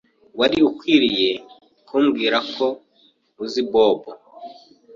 Wari ukwiye kumbwira ko uzi Bobo.